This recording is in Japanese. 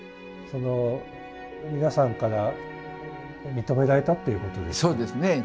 その皆さんから認められたっていうことですか。